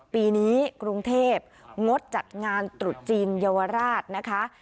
ปีนี้กรุงเทพงดจัดงานตรุษจีนเยาวราชนะคะ